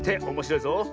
おもしろいぞ。